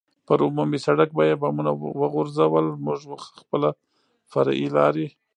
پر عمومي سړک به یې بمونه وغورځول، موږ خپله فرعي لارې.